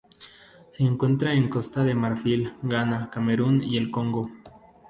Se encuentra en Costa de Marfil, Ghana, Camerún y el Congo.